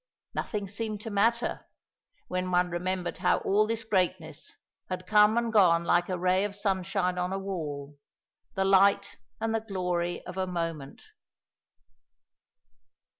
Nothing seemed to matter, when one remembered how all this greatness had come and gone like a ray of sunshine on a wall, the light and the glory of a moment.